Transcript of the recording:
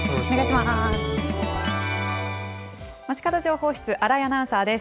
まちかど情報室、新井アナウンサーです。